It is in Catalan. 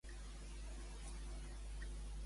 Què relacionava Egipte amb Hapi?